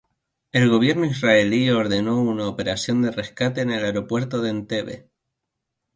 El Gobierno israelí ordenó una operación de rescate en el aeropuerto de Entebbe.